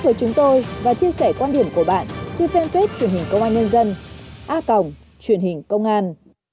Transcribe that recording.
a cồng truyện hình công an